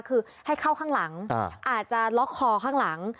คือให้เข้าข้างหลังอาจจะล็อกคอข้างหลัง